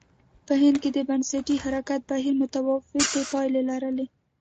په هند کې د بنسټي حرکت بهیر متفاوتې پایلې لرلې.